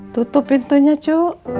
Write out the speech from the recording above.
tutup pintunya cu